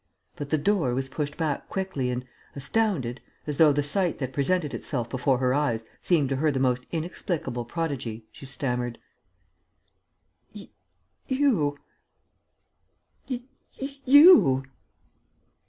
But the door was pushed back quickly and, astounded, as though the sight that presented itself before her eyes seemed to her the most inexplicable prodigy, she stammered: "You!... You!..."